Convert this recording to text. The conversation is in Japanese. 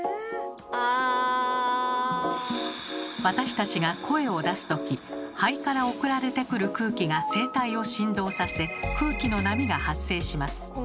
私たちが声を出す時肺から送られてくる空気が声帯を振動させ空気の波が発生します。